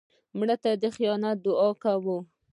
مړه ته د نجات دعا کوو